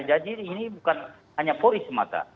jadi ini bukan hanya polri semata